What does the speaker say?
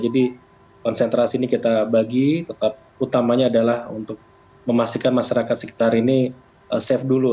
jadi konsentrasi ini kita bagi tetap utamanya adalah untuk memastikan masyarakat sekitar ini safe dulu